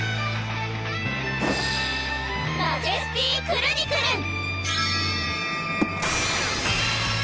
マジェスティクルニクルン！